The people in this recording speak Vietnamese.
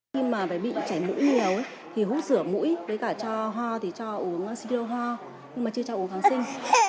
khi mà bệnh bị chảy mũi nhiều thì hút sửa mũi với cả cho ho thì cho uống xí đô ho nhưng mà chưa cho uống kháng sinh